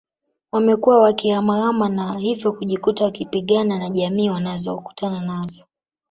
Wamekuwa wakihamahama na hivyo kujikuta wakipigana na jamii wanazokutana nazo